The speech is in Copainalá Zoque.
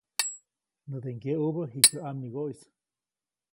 Näde ŋgyeʼubä jikä ʼamigoʼis.